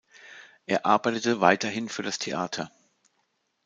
Er arbeitete weiterhin für das Theater.